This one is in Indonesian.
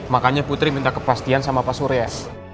makanya putri minta kepastian sama pak surya